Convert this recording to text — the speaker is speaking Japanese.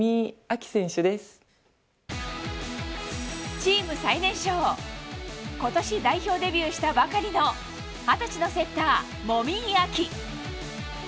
チーム最年少今年代表デビューしたばかりの二十歳のセッター、籾井あき。